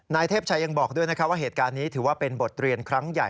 นายเทพชัยยังบอกด้วยนะครับว่าเหตุการณ์นี้ถือว่าเป็นบทเรียนครั้งใหญ่